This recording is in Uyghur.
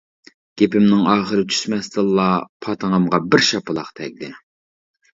گېپىمنىڭ ئاخىرى چۈشمەستىنلا پاتىڭىمغا بىر شاپىلاق تەگدى.